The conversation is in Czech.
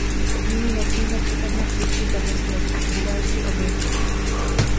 Nyní nesmíme čekat na příští katastrofu, na další oběti.